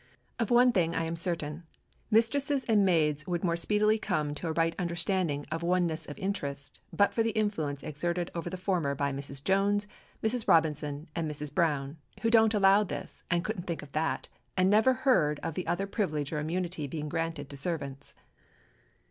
Of one thing I am certain: Mistresses and maids would more speedily come to a right understanding of oneness of interest but for the influence exerted over the former by Mrs. Jones, Mrs. Robinson, and Mrs. Brown, who don't allow this, and couldn't think of that, and never heard of the other privilege or immunity being granted to servants.